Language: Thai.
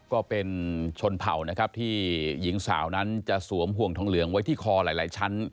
ก็เป็นชนเผ่านะครับที่หญิงสาวนั้นจะสวมห่วงทองเหลืองไว้ที่คอหลายชั้น